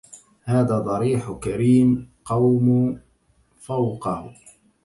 هذا ضريح كريم قوم فوقه